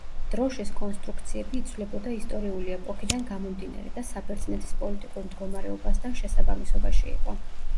დროშის კონსტრუქციები იცვლებოდა ისტორიული ეპოქიდან გამომდინარე და საბერძნეთის პოლიტიკურ მდგომარეობასთან შესაბამისობაში იყო.